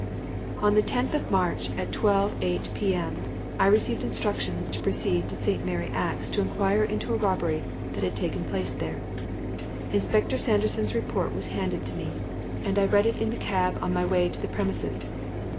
"On the tenth of March, at 12.8 p.m., I received instructions to proceed to St. Mary Axe to inquire into a robbery that had taken place there. Inspector Sanderson's report was handed to me, and I read it in the cab on my way to the premises.